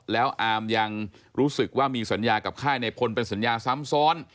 แล้วอามยังรู้สึกว่ามีสัญญากับค่ายในพลเป็นสัญญาซ้ำซ้อน